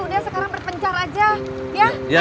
udah sekarang berpencar aja